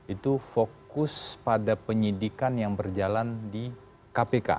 itu fokus pada penyidikan yang berjalan di kpk